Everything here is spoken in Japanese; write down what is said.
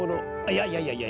いやいやいやいや。